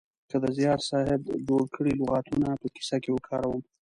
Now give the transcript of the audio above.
که د زیار صاحب جوړ کړي لغاتونه په کیسه کې وکاروم